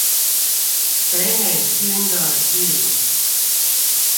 給美君的信